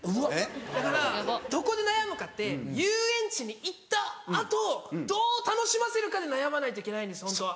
だからどこで悩むかって遊園地に行った後どう楽しませるかで悩まないといけないんですホントは。